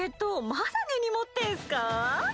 まだ根に持ってんすかぁ？